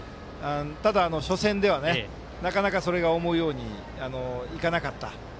ただ、初戦ではなかなか、それが思うようにいかなかった。